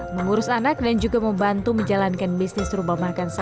mengurus anak dan juga membantu menjalankan bisnis